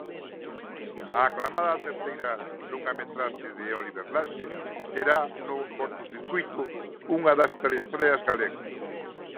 A aclamada terceira longametraxe de Oliver Laxe terá no Curtocircuíto unha das preestreas galegas.